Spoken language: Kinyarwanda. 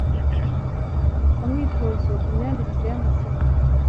Umwitozo ku myandikire y’amasaku